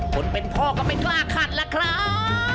คนเป็นพ่อก็ไม่กล้าขัดล่ะครับ